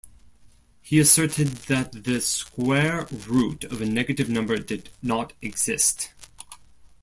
He asserted that the square root of a negative number did not exist.